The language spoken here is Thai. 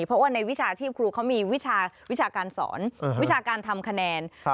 เพราะว่าในวิชาชีพครูเขามีวิชาวิชาการสอนวิชาการทำคะแนน